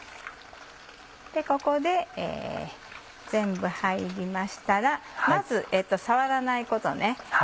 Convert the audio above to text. ここで全部入りましたらまず触らないことね。